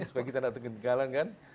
supaya kita tidak tergantung di kalangan